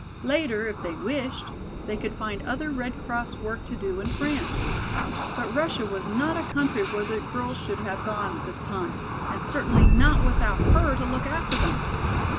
Later, if they wished, they could find other Red Cross work to do in France. But Russia was not a country where the girls should have gone at this time, and certainly not without her to look after them.